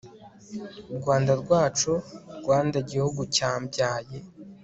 rwanda rwacu rwanda gihugu cyambyaye